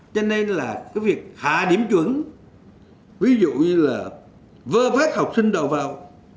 cho nên là cái việc hạ điểm chuẩn ví dụ như là vơ vác học sinh đầu vào